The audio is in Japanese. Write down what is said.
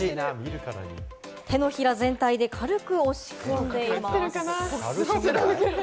手のひら全体で軽く押し込んでいます。